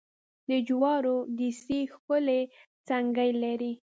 د جوارو ډېسې ښکلې څڼکې لري.